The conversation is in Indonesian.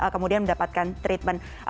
kemudian mendapatkan treatment